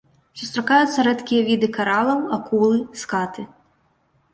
Сустракаюцца рэдкія віды каралаў, акулы, скаты.